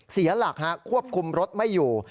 เสียหลักควบคุมรถไม่อยู่